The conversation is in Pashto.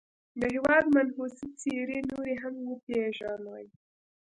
د هېواد منحوسي څېرې نورې هم وپېژني.